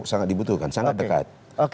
sangat dibutuhkan sangat dekat